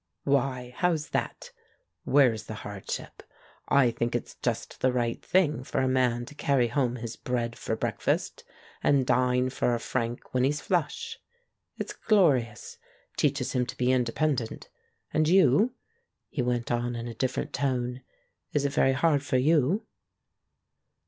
"Why, how's that? Where's the hardship? I think it's just the right thing for a man to carry home his bread for breakfast, and dine for a franc when he's flush. It's glorious — teaches him to be independent. And you?" he went on in a different tone. "Is it very hard for you?'''